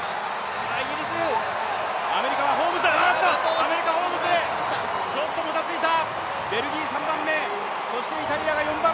アメリカ、ホームズ、ちょっともたついた。